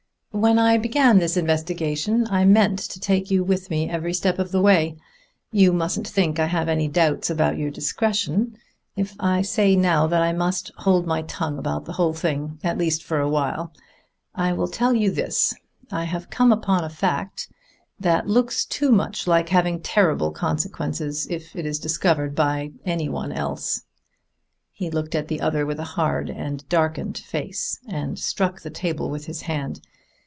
"When I began this investigation I meant to take you with me every step of the way. You mustn't think I have any doubts about your discretion if I say now that I must hold my tongue about the whole thing, at least for a time. I will tell you this: I have come upon a fact that looks too much like having terrible consequences if it is discovered by any one else." He looked at the other with a hard and darkened face, and struck the table with his hand.